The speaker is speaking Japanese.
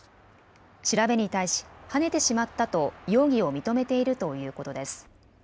調べに対し、はねてしまったと容疑を認めているということです。